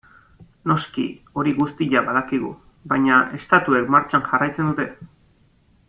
Noski hori guztia badakigu, baina estatuek martxan jarraitzen dute.